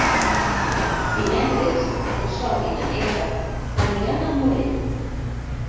Dimecres en Sol i na Neida aniran al Morell.